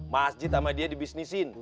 masjid sama dia dibisnisin